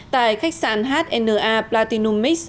tại khách sạn hna platinum mix